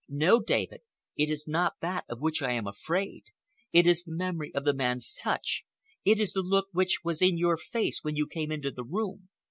No, David! It is not that of which I am afraid. It is the memory of the man's touch, it is the look which was in your face when you came into the room.